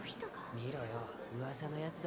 見ろよ噂のヤツだ